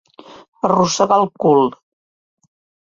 Arrossegar el cul.